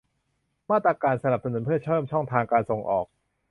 มาตรการสนับสนุนเพื่อเพิ่มช่องทางการส่งออก